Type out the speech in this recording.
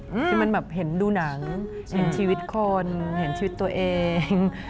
ที่มันแบบเห็นดูหนังเห็นชีวิตคนเห็นชีวิตตัวเอง